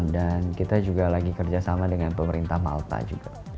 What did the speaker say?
dan kita juga lagi kerja sama dengan pemerintah malta juga